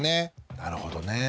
なるほどねえ。